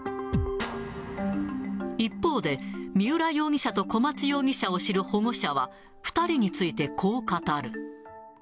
一方で、三浦容疑者と小松容疑者を知る保護者は、２人についてこう語る。